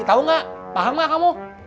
tahu nggak paham nggak kamu